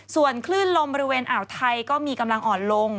ส่วนคลื่นลมบริเวณอ่าวไทยก็มีกำลังอ่อนลง